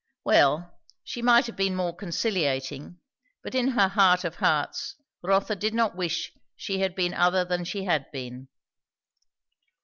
Well, she might have been more conciliating; but in her heart of hearts Rotha did not wish she had been other than she had been.